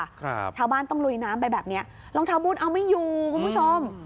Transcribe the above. ครับชาวบ้านต้องลุยน้ำไปแบบเนี้ยรองเท้าบุญเอาไม่อยู่คุณผู้ชม